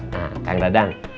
nah kang dadang